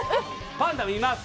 パンダはいます。